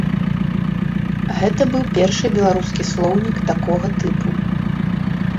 Гэта быў першы беларускі слоўнік такога тыпу.